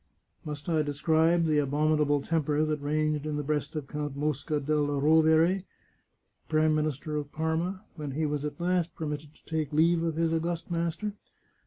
Must I describe the abominable temper that raged in the breast of Count Mosca della Rovere, Prime Minister of Parma, when he was at last permitted to take leave of his august master?